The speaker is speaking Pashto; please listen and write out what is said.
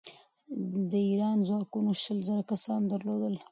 د ایران ځواکونو شل زره کسان درلودل.